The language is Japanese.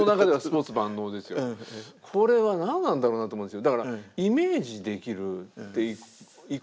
これはなんなんだろうなと思うんですよ。